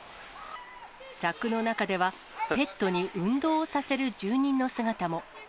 柵の中では、ペットに運動をさせる住人の姿も。